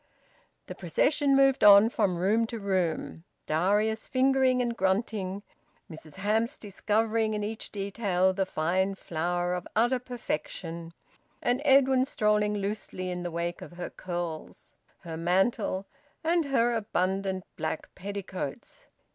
The procession moved on from room to room, Darius fingering and grunting, Mrs Hamps discovering in each detail the fine flower of utter perfection, and Edwin strolling loosely in the wake of her curls, her mantle, and her abundant black petticoats.